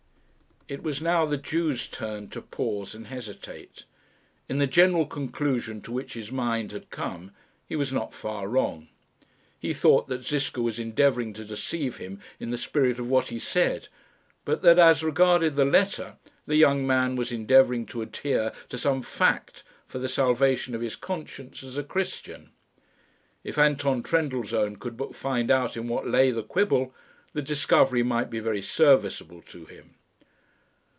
It was now the Jew's turn to pause and hesitate. In the general conclusion to which his mind had come, he was not far wrong. He thought that Ziska was endeavouring to deceive him in the spirit of what he said, but that as regarded the letter, the young man was endeavouring to adhere to some fact for the salvation of his conscience as a Christian. If Anton Trendellsohn could but find out in what lay the quibble, the discovery might be very serviceable to him.